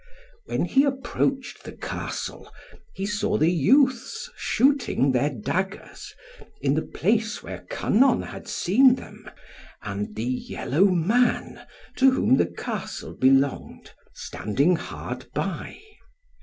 When he approached the Castle, he saw the youths shooting their daggers, in the place where Kynon had seen them; and the yellow man, to whom the Castle belonged, standing hard by.